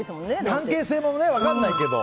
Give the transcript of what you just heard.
関係性が分からないけど。